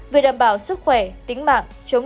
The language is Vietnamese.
vì đảm bảo sức khỏe tính mạng